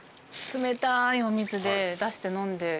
冷たいお水で出して飲んで。